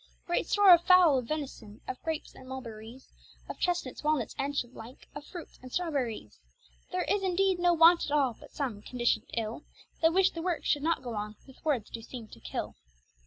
Great store of fowle, of venison, of grapes and mulberries, Of chestnuts, walnuts, and such like, of fruits and strawberries, There is indeed no want at all, but some, condiciond ill, That wish the worke should not goe on with words doe seeme to kill.